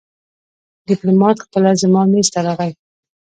ډيپلومات خپله زما مېز ته راغی.